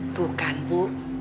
tuh kan bu